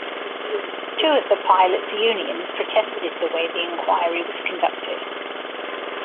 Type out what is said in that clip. Two of the pilots' unions protested the way the inquiry was conducted.